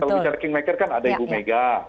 kalau bicara kingmaker kan ada ibu mega